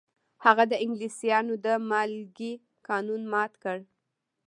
هغه د انګلیسانو د مالګې قانون مات کړ.